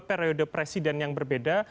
periode presiden yang berbeda